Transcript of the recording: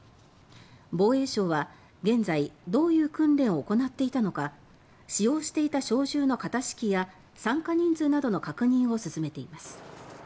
防衛省は現在、どういう訓練を行っていたのか使用していた小銃の型式や参加人数などの確認を進めています。